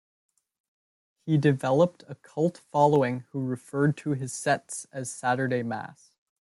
He developed a cult following who referred to his sets as "Saturday Mass".